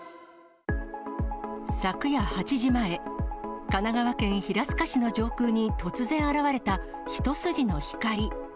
昨夜８時前、神奈川県平塚市の上空に突然現れた、一筋の光。